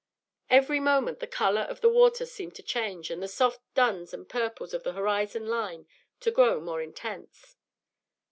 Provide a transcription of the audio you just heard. Every moment the color of the water seemed to change, and the soft duns and purples of the horizon line to grow more intense.